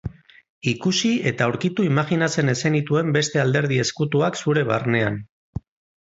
Ikusi eta aurkitu imajinatzen ez zenituen beste alderdi ezkutuak zure barnean.